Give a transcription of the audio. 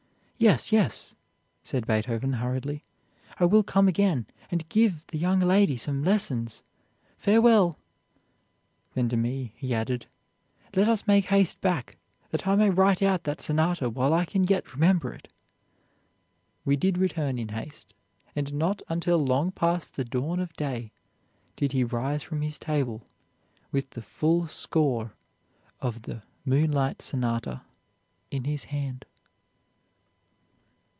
'Yes, yes,' said Beethoven hurriedly, 'I will come again, and give the young lady some lessons. Farewell!' Then to me he added: 'Let us make haste back, that I may write out that sonata while I can yet remember it.' We did return in haste, and not until long past the dawn of day did he rise from his table with the full score of the Moonlight Sonata in his hand."